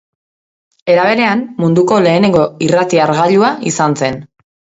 Era berean, munduko lehenengo irrati-hargailua izan zen.